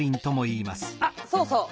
あっそうそう。